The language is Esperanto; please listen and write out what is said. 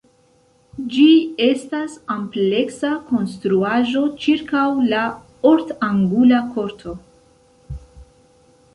Ĝi estas ampleksa konstruaĵo ĉirkaŭ la ort-angula korto.